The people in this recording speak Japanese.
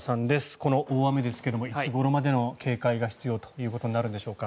この大雨ですがいつごろまでの警戒が必要となるんでしょうか。